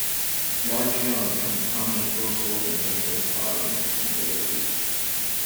Large young have prominent dorsal and ventral spotting and yellow feet.